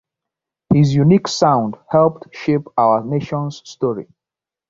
His unique sound helped shape our Nation's story.